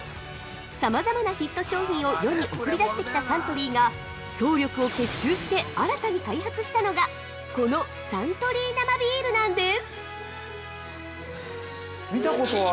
様々なヒット商品を世に送り出してきたサントリーが総力を結集して新たに開発したのがこのサントリー生ビールなんです。